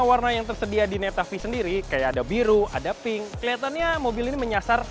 warna yang tersedia di netavi sendiri kayak ada biru ada pink kelihatannya mobil ini menyasar